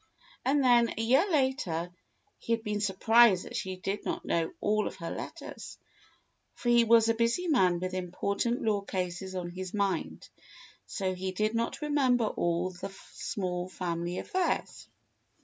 And then, a year later, he had been surprised that she did not know all of her letters, for he was a busy man with important law cases on his mind, so he did not remember all the small family affairs.